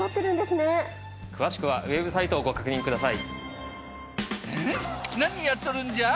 詳しくはウェブサイトをご確認ください。